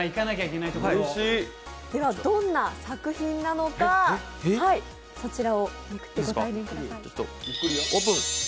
どんな作品なのか、めくってご対面ください。